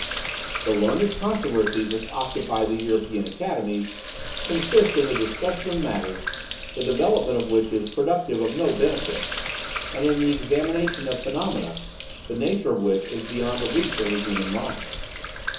"The learned controversies which occupy the European academies, consist in the discussion of matters, the development of which is productive of no benefit, and in the examination of phenomena, the nature of which is beyond the reach of the human mind.